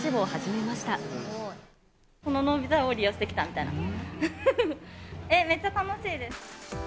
めっちゃ楽しいです。